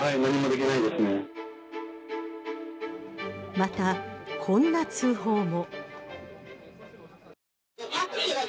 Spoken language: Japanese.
また、こんな通報も。